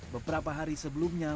beberapa hari sebelumnya